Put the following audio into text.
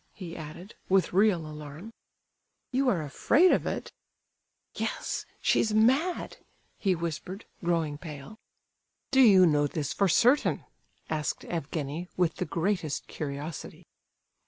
he added, with real alarm. "You are afraid of it?" "Yes—she's mad!" he whispered, growing pale. "Do you know this for certain?" asked Evgenie, with the greatest curiosity.